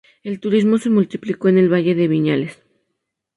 El turismo se multiplicó en el Valle de Viñales.